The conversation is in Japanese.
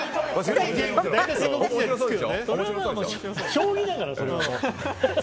将棋だから、それは。